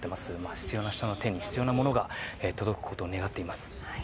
必要な人の手に必要なものが届くことを祈っています。